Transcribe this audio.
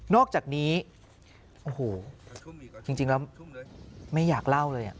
อกจากนี้โอ้โหจริงแล้วไม่อยากเล่าเลย